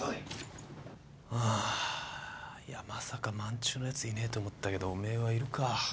ハァいやまさか萬中のやついねえと思ったけどおめえはいるか